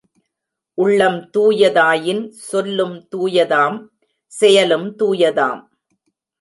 உள்ளம் தூயதாயின், சொல்லும் தூயதாம், செயலும் துயதாம்.